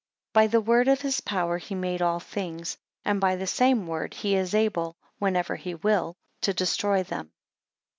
13 By the word of his power he made all things: and by the same word he is able, (whenever he will,) to destroy them.